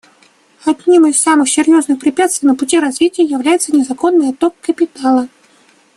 Одним из самых серьезных препятствий на пути развития является незаконный отток капитала.